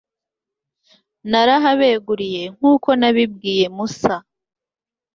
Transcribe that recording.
narahabeguriye nk'uko nabibwiye musa